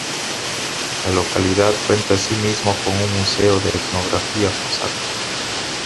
La localidad cuenta asimismo con un museo de etnografía cosaca.